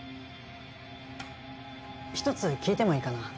一つ聞いてもいいかな？